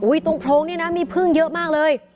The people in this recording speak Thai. อุ้ยตรงโพงเนี่ยนะมีพึ่งเยอะมากเลย